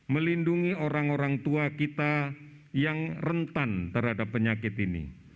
melindungi orang orang tua kita yang rentan terhadap penyakit ini